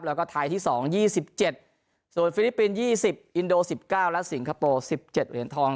แล้วก็ไทยที่๒๒๗ส่วนฟิลิปปินส์๒๐อินโด๑๙และสิงคโปร์๑๗เหรียญทอง